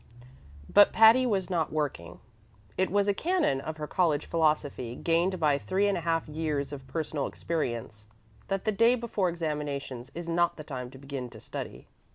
But Patty was not working. It was a canon of her college philosophy, gained by three and a half years' of personal experience, that the day before examinations is not the time to begin to study.